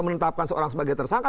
menetapkan seorang sebagai tersangka